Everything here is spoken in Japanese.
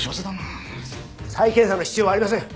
再検査の必要はありません。